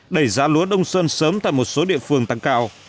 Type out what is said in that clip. đẩy giá lúa đông xuân sớm tại một số địa phương tăng cao